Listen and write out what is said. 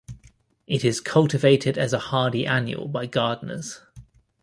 It is cultivated as a hardy annual by gardeners.